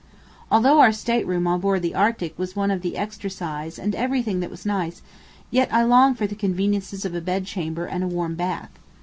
Although our state room on board the Arctic was one of the extra size and every thing that was nice, yet I long for the conveniences of a bed chamber and a warm bath.